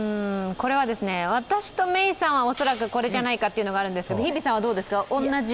これは、私とメイさんは恐らくこれじゃないかというのがあるんですが、日比さんはどうですか、おんなじ？